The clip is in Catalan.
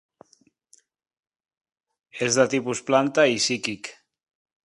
És de tipus planta i psíquic.